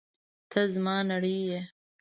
ته زما نړۍ یې!